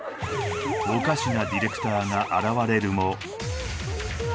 おかしなディレクターが現れるもこんにちは